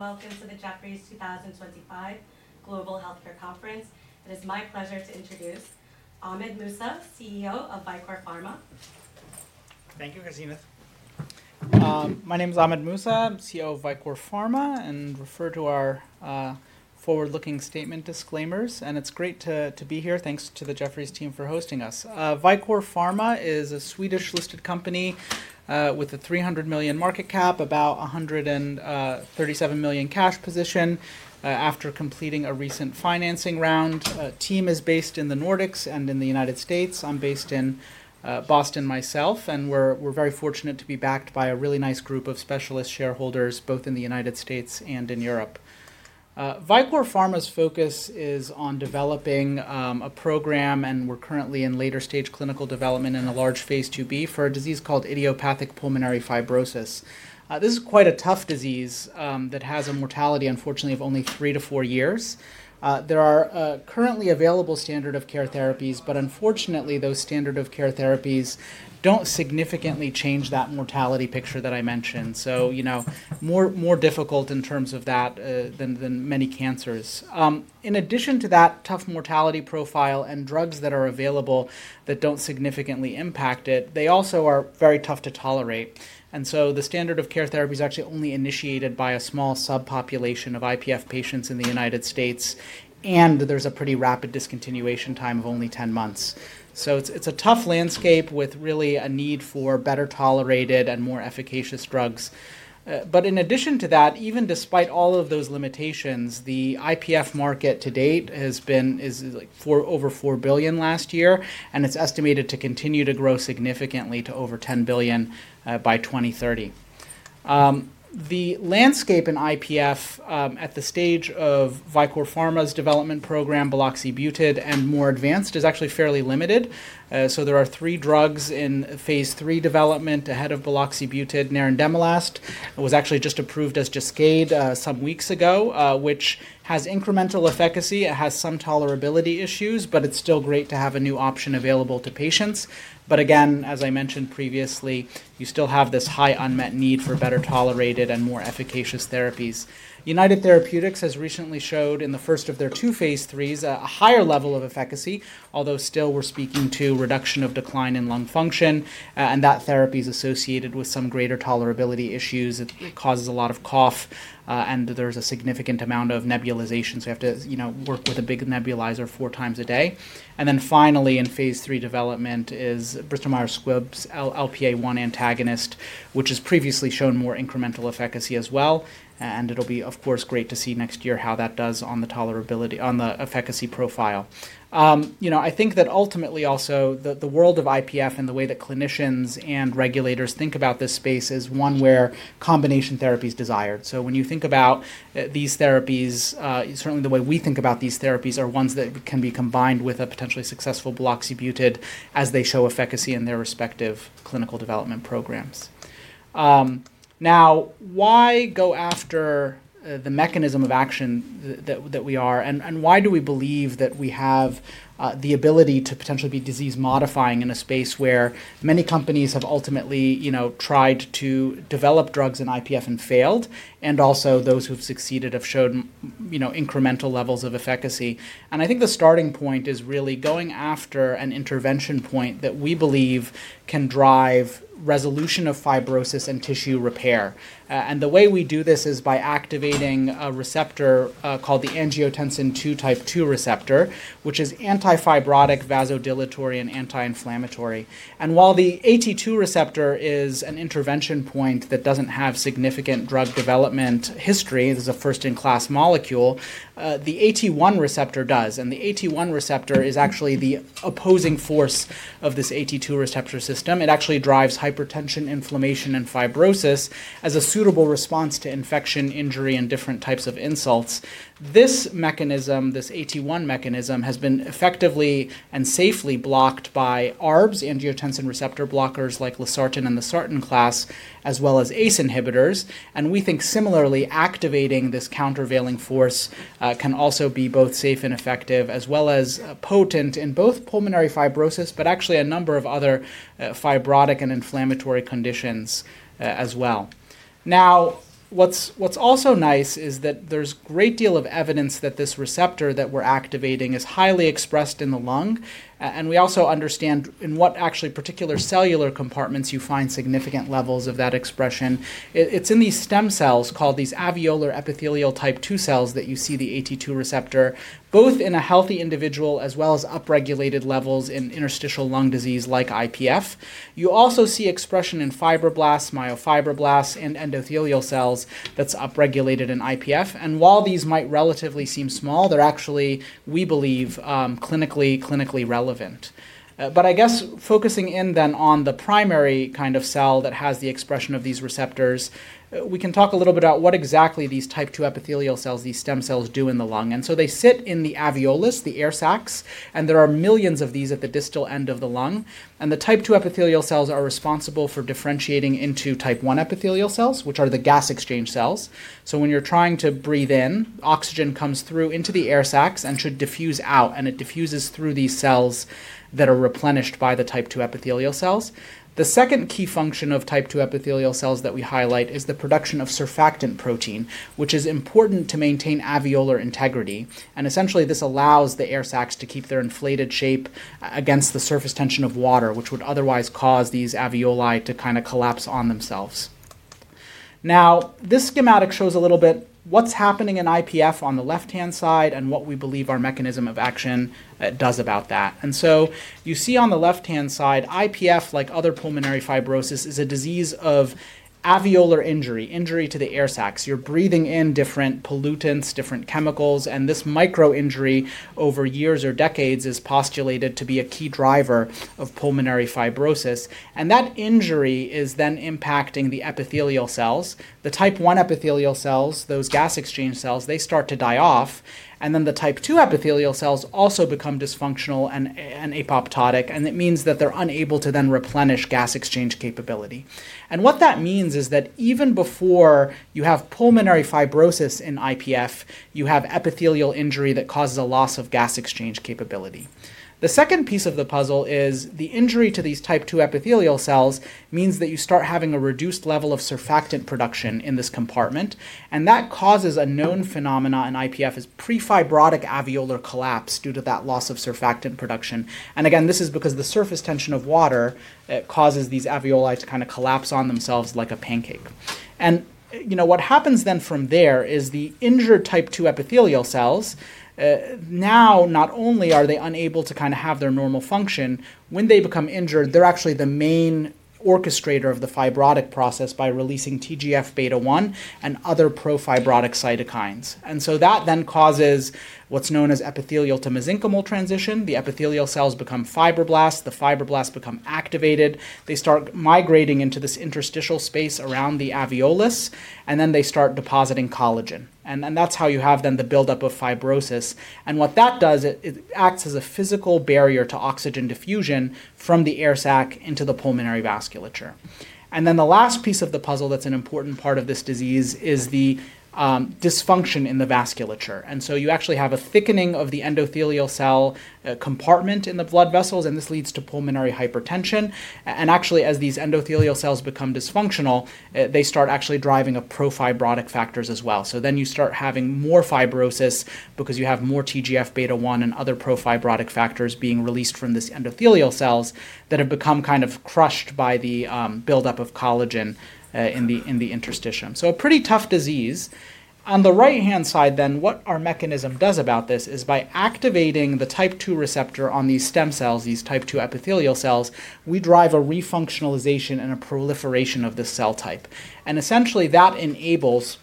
Welcome to the Jefferies 2025 Global Healthcare Conference. It is my pleasure to introduce Ahmed Mousa, CEO of Vicore Pharma. Thank you, Christina. My name is Ahmed Mousa. I'm CEO of Vicore Pharma and refer to our forward-looking statement disclaimers. It's great to be here. Thanks to the Jefferies team for hosting us. Vicore Pharma is a Swedish-listed company with a $300 million market cap, about $137 million cash position after completing a recent financing round. The team is based in the Nordics and in the United States. I'm based in Boston myself, and we're very fortunate to be backed by a really nice group of specialist shareholders, both in the United States and in Europe. Vicore Pharma's focus is on developing a program, and we're currently in later-stage clinical development in a large phase IIb for a disease called idiopathic pulmonary fibrosis. This is quite a tough disease that has a mortality, unfortunately, of only three to four years. There are currently available standard of care therapies, but unfortunately, those standard of care therapies don't significantly change that mortality picture that I mentioned. So, you know, more difficult in terms of that than many cancers. In addition to that tough mortality profile and drugs that are available that don't significantly impact it, they also are very tough to tolerate. And so the standard of care therapy is actually only initiated by a small subpopulation of IPF patients in the United States, and there's a pretty rapid discontinuation time of only 10 months. It's a tough landscape with really a need for better tolerated and more efficacious drugs. But in addition to that, even despite all of those limitations, the IPF market to date has been over $4 billion last year, and it's estimated to continue to grow significantly to over $10 billion by 2030. The landscape in IPF at the stage of Vicore Pharma's development program, Buloxibutid, and more advanced is actually fairly limited. There are three drugs in phase III development ahead of Buloxibutid. Nerandomilast was actually just approved as Jascayd some weeks ago, which has incremental efficacy. It has some tolerability issues, but it's still great to have a new option available to patients. Again, as I mentioned previously, you still have this high unmet need for better tolerated and more efficacious therapies. United Therapeutics has recently showed in the first of their two phase IIIs a higher level of efficacy, although still we're speaking to reduction of decline in lung function, and that therapy is associated with some greater tolerability issues. It causes a lot of cough, and there's a significant amount of nebulization, so you have to work with a big nebulizer four times a day. Finally, in phase III development is Bristol Myers Squibb's LPA1 antagonist, which has previously shown more incremental efficacy as well. It'll be, of course, great to see next year how that does on the efficacy profile. You know, I think that ultimately also the world of IPF and the way that clinicians and regulators think about this space is one where combination therapy is desired. When you think about these therapies, certainly the way we think about these therapies are ones that can be combined with a potentially successful Buloxibutid as they show efficacy in their respective clinical development programs. Now, why go after the mechanism of action that we are, and why do we believe that we have the ability to potentially be disease modifying in a space where many companies have ultimately tried to develop drugs in IPF and failed, and also those who have succeeded have shown incremental levels of efficacy? I think the starting point is really going after an intervention point that we believe can drive resolution of fibrosis and tissue repair. The way we do this is by activating a receptor called the angiotensin II type II receptor, which is antifibrotic, vasodilatory, and anti-inflammatory. While the AT2 receptor is an intervention point that does not have significant drug development history, this is a first-in-class molecule, the AT1 receptor does. The AT1 receptor is actually the opposing force of this AT2 receptor system. It actually drives hypertension, inflammation, and fibrosis as a suitable response to infection, injury, and different types of insults. This mechanism, this AT1 mechanism, has been effectively and safely blocked by ARBs, angiotensin receptor blockers like losartan and the SARTAN class, as well as ACE inhibitors. We think similarly, activating this countervailing force can also be both safe and effective, as well as potent in both pulmonary fibrosis, but actually a number of other fibrotic and inflammatory conditions as well. Now, what's also nice is that there's a great deal of evidence that this receptor that we're activating is highly expressed in the lung. We also understand in what actually particular cellular compartments you find significant levels of that expression. It's in these stem cells called these alveolar epithelial type II cells that you see the AT2 receptor, both in a healthy individual as well as upregulated levels in interstitial lung disease like IPF. You also see expression in fibroblasts, myofibroblasts, and endothelial cells that's upregulated in IPF. While these might relatively seem small, they're actually, we believe, clinically relevant. I guess focusing in then on the primary kind of cell that has the expression of these receptors, we can talk a little bit about what exactly these type II epithelial cells, these stem cells, do in the lung. They sit in the alveolus, the air sacs, and there are millions of these at the distal end of the lung. The type II epithelial cells are responsible for differentiating into type I epithelial cells, which are the gas exchange cells. When you're trying to breathe in, oxygen comes through into the air sacs and should diffuse out, and it diffuses through these cells that are replenished by the type II epithelial cells. The second key function of type II epithelial cells that we highlight is the production of surfactant protein, which is important to maintain alveolar integrity. Essentially, this allows the air sacs to keep their inflated shape against the surface tension of water, which would otherwise cause these alveoli to kind of collapse on themselves. This schematic shows a little bit what's happening in IPF on the left-hand side and what we believe our mechanism of action does about that. You see on the left-hand side, IPF, like other pulmonary fibrosis, is a disease of alveolar injury, injury to the air sacs. You're breathing in different pollutants, different chemicals, and this micro-injury over years or decades is postulated to be a key driver of pulmonary fibrosis. That injury is then impacting the epithelial cells. The type I epithelial cells, those gas exchange cells, they start to die off, and then the type II epithelial cells also become dysfunctional and apoptotic, and it means that they're unable to then replenish gas exchange capability. What that means is that even before you have pulmonary fibrosis in IPF, you have epithelial injury that causes a loss of gas exchange capability. The second piece of the puzzle is the injury to these type II epithelial cells means that you start having a reduced level of surfactant production in this compartment, and that causes a known phenomenon in IPF, which is prefibrotic alveolar collapse due to that loss of surfactant production. This is because the surface tension of water causes these alveoli to kind of collapse on themselves like a pancake. You know what happens then from there is the injured type II epithelial cells, now not only are they unable to kind of have their normal function, when they become injured, they're actually the main orchestrator of the fibrotic process by releasing TGF beta-1 and other profibrotic cytokines. That then causes what's known as epithelial to mesenchymal transition. The epithelial cells become fibroblasts, the fibroblasts become activated, they start migrating into this interstitial space around the alveolus, and then they start depositing collagen. That's how you have then the buildup of fibrosis. What that does, it acts as a physical barrier to oxygen diffusion from the air sac into the pulmonary vasculature. The last piece of the puzzle that's an important part of this disease is the dysfunction in the vasculature. You actually have a thickening of the endothelial cell compartment in the blood vessels, and this leads to pulmonary hypertension. Actually, as these endothelial cells become dysfunctional, they start actually driving profibrotic factors as well. Then you start having more fibrosis because you have more TGF beta-1 and other profibrotic factors being released from these endothelial cells that have become kind of crushed by the buildup of collagen in the interstitium. A pretty tough disease. On the right-hand side then, what our mechanism does about this is by activating the type II receptor on these stem cells, these type II epithelial cells, we drive a refunctionalization and a proliferation of this cell type. Essentially, that enables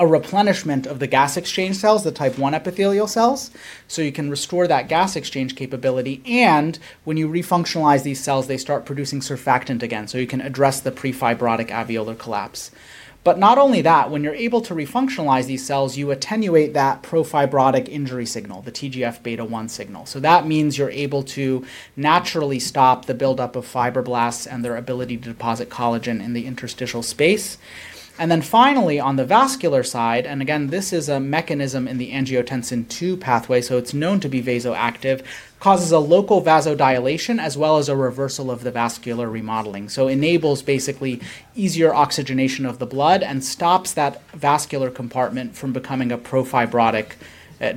a replenishment of the gas exchange cells, the type I epithelial cells, so you can restore that gas exchange capability. When you refunctionalize these cells, they start producing surfactant again, so you can address the prefibrotic alveolar collapse. Not only that, when you're able to refunctionalize these cells, you attenuate that profibrotic injury signal, the TGF beta-1 signal. That means you're able to naturally stop the buildup of fibroblasts and their ability to deposit collagen in the interstitial space. Finally, on the vascular side, and again, this is a mechanism in the angiotensin II pathway, so it's known to be vasoactive, causes a local vasodilation as well as a reversal of the vascular remodeling. It enables basically easier oxygenation of the blood and stops that vascular compartment from becoming a profibrotic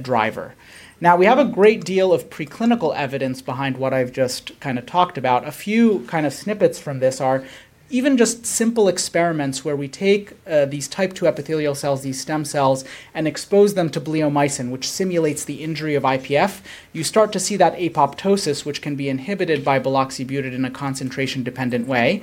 driver. Now, we have a great deal of preclinical evidence behind what I've just kind of talked about. A few kind of snippets from this are even just simple experiments where we take these type II epithelial cells, these stem cells, and expose them to bleomycin, which simulates the injury of IPF. You start to see that apoptosis, which can be inhibited by Buloxibutid in a concentration-dependent way.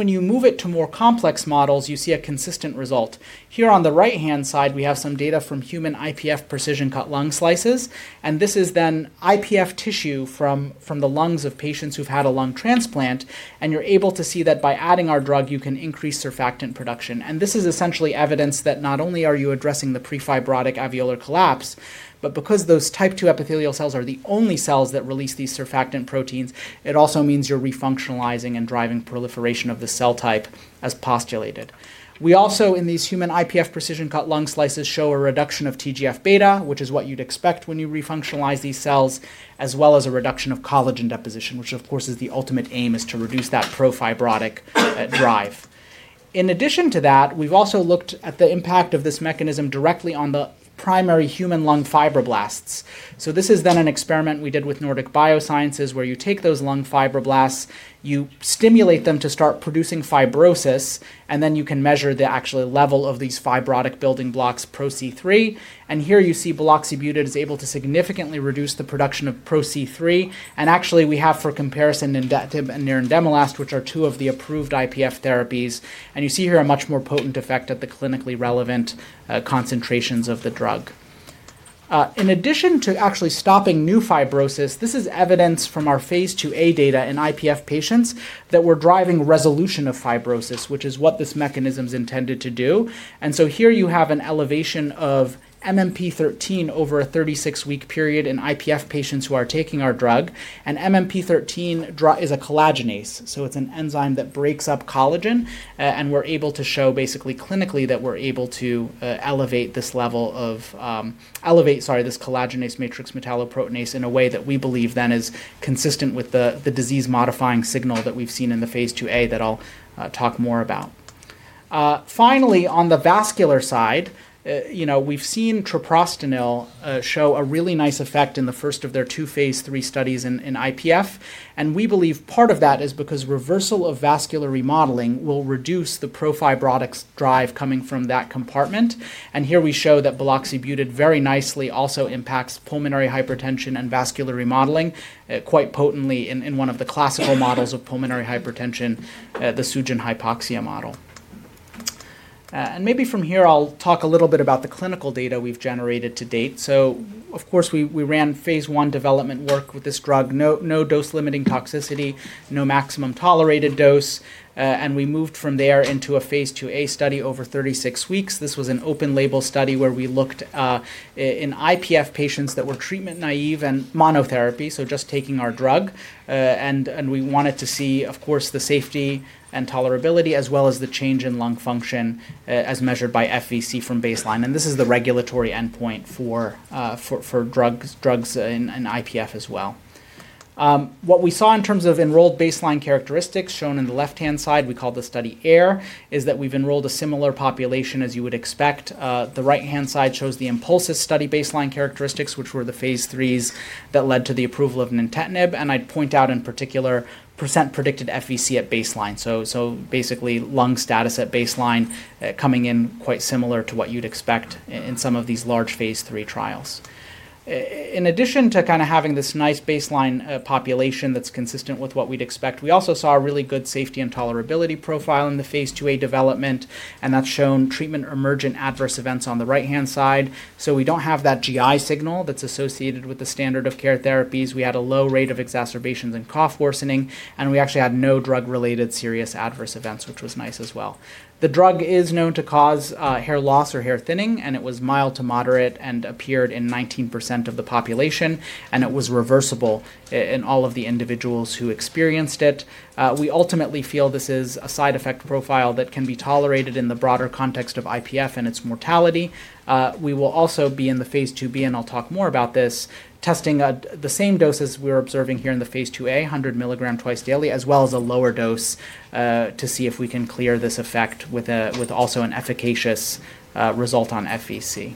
When you move it to more complex models, you see a consistent result. Here on the right-hand side, we have some data from human IPF precision-cut lung slices, and this is then IPF tissue from the lungs of patients who've had a lung transplant, and you're able to see that by adding our drug, you can increase surfactant production. This is essentially evidence that not only are you addressing the prefibrotic alveolar collapse, but because those type II epithelial cells are the only cells that release these surfactant proteins, it also means you're refunctionalizing and driving proliferation of the cell type as postulated. We also, in these human IPF precision-cut lung slices, show a reduction of TGF beta, which is what you'd expect when you refunctionalize these cells, as well as a reduction of collagen deposition, which of course is the ultimate aim, to reduce that profibrotic drive. In addition to that, we've also looked at the impact of this mechanism directly on the primary human lung fibroblasts. This is then an experiment we did with Nordic Bioscience where you take those lung fibroblasts, you stimulate them to start producing fibrosis, and then you can measure the actual level of these fibrotic building blocks, ProC3. Here you see Buloxibutid is able to significantly reduce the production of ProC3. Actually, we have for comparison Nerandomilast, which are two of the approved IPF therapies, and you see here a much more potent effect at the clinically relevant concentrations of the drug. In addition to actually stopping new fibrosis, this is evidence from our phase IIa data in IPF patients that we're driving resolution of fibrosis, which is what this mechanism's intended to do. Here you have an elevation of MMP-13 over a 36-week period in IPF patients who are taking our drug. MMP-13 is a collagenase, so it's an enzyme that breaks up collagen, and we're able to show basically clinically that we're able to elevate this level of, elevate, sorry, this collagenase matrix metalloproteinase in a way that we believe then is consistent with the disease modifying signal that we've seen in the phase IIa that I'll talk more about. Finally, on the vascular side, you know we've seen Treprostinil show a really nice effect in the first of their two phase III studies in IPF, and we believe part of that is because reversal of vascular remodeling will reduce the profibrotic drive coming from that compartment. Here we show that Buloxibutid very nicely also impacts pulmonary hypertension and vascular remodeling quite potently in one of the classical models of pulmonary hypertension, the Sugen/Hypoxia model. Maybe from here, I'll talk a little bit about the clinical data we've generated to date. Of course, we ran phase I development work with this drug, no dose-limiting toxicity, no maximum tolerated dose, and we moved from there into a phase IIa study over 36 weeks. This was an open-label study where we looked in IPF patients that were treatment naive and monotherapy, so just taking our drug, and we wanted to see, of course, the safety and tolerability as well as the change in lung function as measured by FVC from baseline. This is the regulatory endpoint for drugs in IPF as well. What we saw in terms of enrolled baseline characteristics shown in the left-hand side, we call this study AIR, is that we've enrolled a similar population as you would expect. The right-hand side shows the INPULSIS study baseline characteristics, which were the phase IIIs that led to the approval of nintedanib, and I'd point out in particular % predicted FVC at baseline. Basically, lung status at baseline coming in quite similar to what you'd expect in some of these large phase III trials. In addition to kind of having this nice baseline population that's consistent with what we'd expect, we also saw a really good safety and tolerability profile in the phase IIa development, and that's shown treatment emergent adverse events on the right-hand side. We do not have that GI signal that's associated with the standard of care therapies. We had a low rate of exacerbations and cough worsening, and we actually had no drug-related serious adverse events, which was nice as well. The drug is known to cause hair loss or hair thinning, and it was mild to moderate and appeared in 19% of the population, and it was reversible in all of the individuals who experienced it. We ultimately feel this is a side effect profile that can be tolerated in the broader context of IPF and its mortality. We will also be in the phase IIb, and I'll talk more about this, testing the same dose as we're observing here in the phase IIa, 100 mg twice daily, as well as a lower dose to see if we can clear this effect with also an efficacious result on FVC.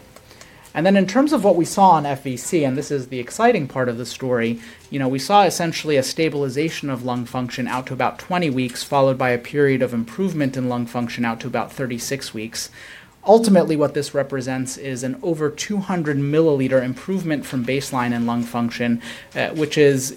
In terms of what we saw on FVC, and this is the exciting part of the story, you know we saw essentially a stabilization of lung function out to about 20 weeks, followed by a period of improvement in lung function out to about 36 weeks. Ultimately, what this represents is an over 200 milliliter improvement from baseline in lung function, which is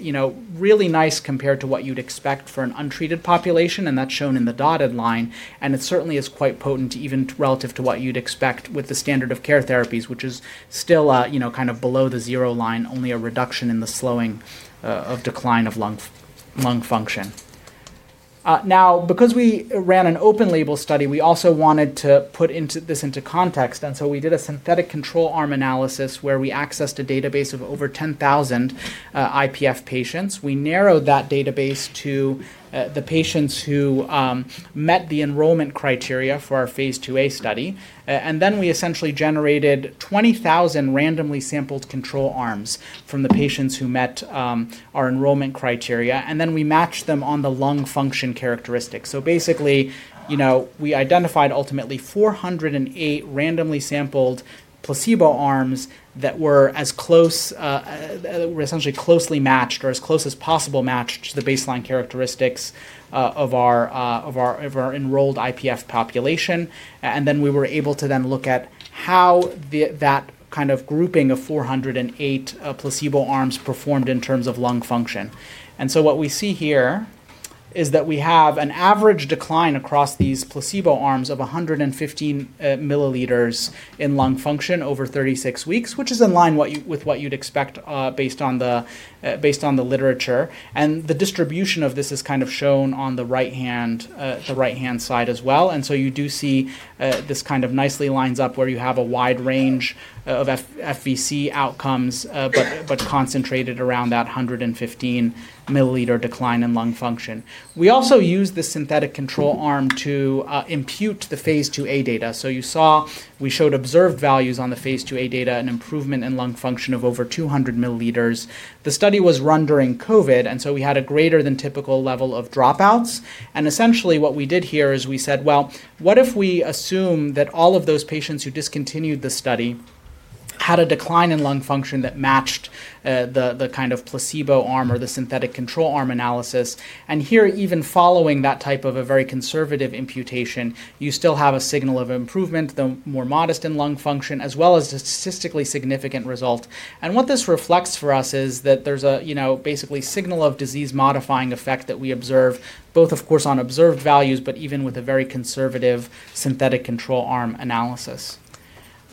really nice compared to what you'd expect for an untreated population, and that's shown in the dotted line. It certainly is quite potent even relative to what you'd expect with the standard of care therapies, which is still kind of below the zero line, only a reduction in the slowing of decline of lung function. Now, because we ran an open-label study, we also wanted to put this into context, and so we did a synthetic control arm analysis where we accessed a database of over 10,000 IPF patients. We narrowed that database to the patients who met the enrollment criteria for our phase IIa study, and then we essentially generated 20,000 randomly sampled control arms from the patients who met our enrollment criteria, and then we matched them on the lung function characteristics. Basically, you know, we identified ultimately 408 randomly sampled placebo arms that were as close, were essentially closely matched or as close as possible matched to the baseline characteristics of our enrolled IPF population. We were able to then look at how that kind of grouping of 408 placebo arms performed in terms of lung function. What we see here is that we have an average decline across these placebo arms of 115 milliliters in lung function over 36 weeks, which is in line with what you'd expect based on the literature. The distribution of this is kind of shown on the right-hand side as well. You do see this kind of nicely lines up where you have a wide range of FVC outcomes, but concentrated around that 115 milliliter decline in lung function. We also used this synthetic control arm to impute the phase IIa data. You saw we showed observed values on the phase IIa data, an improvement in lung function of over 200 milliliters. The study was run during COVID, and we had a greater than typical level of dropouts. Essentially, what we did here is we said, what if we assume that all of those patients who discontinued the study had a decline in lung function that matched the kind of placebo arm or the synthetic control arm analysis? Here, even following that type of a very conservative imputation, you still have a signal of improvement, though more modest in lung function, as well as a statistically significant result. What this reflects for us is that there's basically a signal of disease modifying effect that we observe, both of course on observed values, but even with a very conservative synthetic control arm analysis.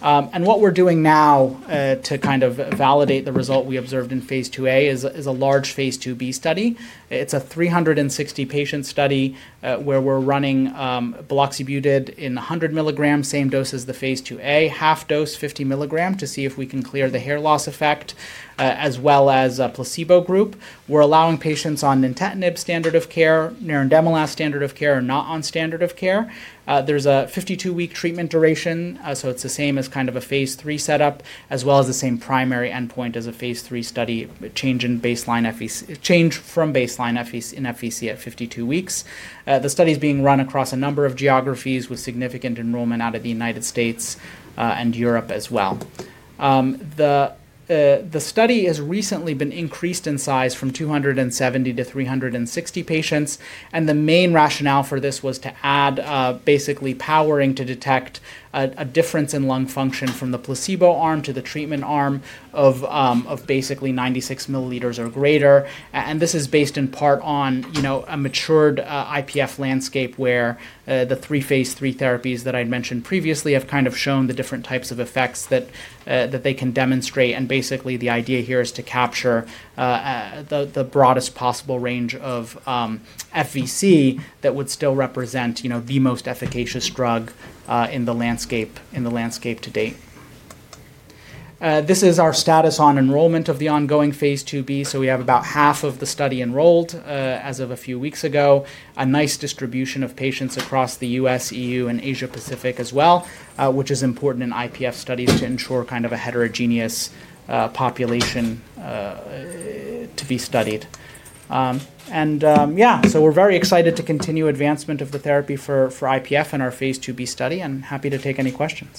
What we're doing now to kind of validate the result we observed in phase IIa is a large phase IIb study. It's a 360-patient study where we're running Buloxibutid in 100 milligram, same dose as the phase IIa, half dose, 50 milligram, to see if we can clear the hair loss effect, as well as a placebo group. We're allowing patients on nintedanib standard of care, Nerandomilast standard of care, not on standard of care. There's a 52-week treatment duration, so it's the same as kind of a phase III setup, as well as the same primary endpoint as a phase III study, change from baseline in FVC at 52 weeks. The study's being run across a number of geographies with significant enrollment out of the U.S. and Europe as well. The study has recently been increased in size from 270 to 360 patients, and the main rationale for this was to add basically powering to detect a difference in lung function from the placebo arm to the treatment arm of basically 96 milliliters or greater. This is based in part on a matured IPF landscape where the three phase III therapies that I'd mentioned previously have kind of shown the different types of effects that they can demonstrate. Basically, the idea here is to capture the broadest possible range of FVC that would still represent the most efficacious drug in the landscape to date. This is our status on enrollment of the ongoing phase IIb, so we have about half of the study enrolled as of a few weeks ago, a nice distribution of patients across the U.S., EU, and Asia Pacific as well, which is important in IPF studies to ensure kind of a heterogeneous population to be studied. Yeah, so we're very excited to continue advancement of the therapy for IPF in our phase IIb study and happy to take any questions.